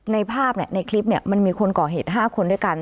ในภาพในคลิปมันมีคนก่อเหตุ๕คนด้วยกัน